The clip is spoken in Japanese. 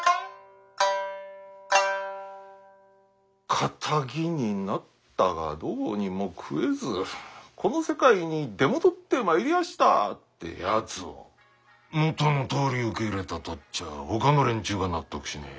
堅気になったがどうにも食えずこの世界に出戻ってまいりやしたってやつを元のとおり受け入れたとあっちゃほかの連中が納得しねえ。